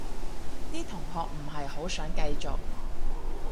啲同學唔係好想繼續